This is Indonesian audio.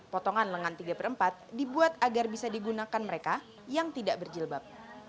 potongan lengan tiga per empat dibuat agar bisa digunakan mereka yang tidak berjilbab